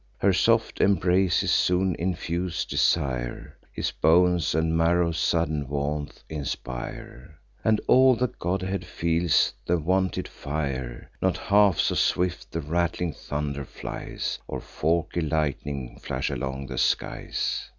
Her soft embraces soon infuse desire; His bones and marrow sudden warmth inspire; And all the godhead feels the wonted fire. Not half so swift the rattling thunder flies, Or forky lightnings flash along the skies.